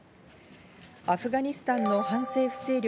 アフガニスタンの反政府勢力